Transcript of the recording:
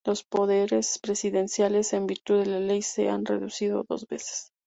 Los poderes presidenciales en virtud de la Ley se han reducido dos veces.